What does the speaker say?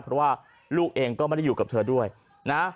เพราะว่าลูกเองก็ไม่ได้อยู่กับเธอด้วยนะ